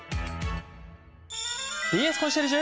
「ＢＳコンシェルジュ」。